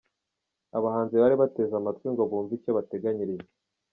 Abahanzi bari bateze amatwi ngo bumve icyo bateganyirijwe.